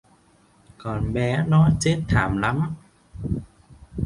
Còn bé nó chết thảm lắm